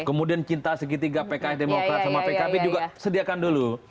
kemudian cinta segitiga pks demokrat sama pkb juga sediakan dulu